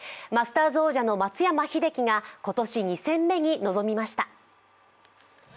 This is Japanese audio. マスターズ王者の松山英樹が今年２戦目に臨みました。